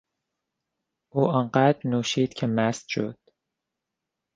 او آنقدر نوشید که مست شد.